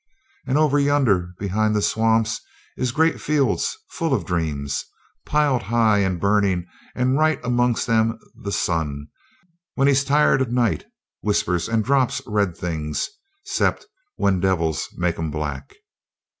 "And over yonder behind the swamps is great fields full of dreams, piled high and burning; and right amongst them the sun, when he's tired o' night, whispers and drops red things, 'cept when devils make 'em black."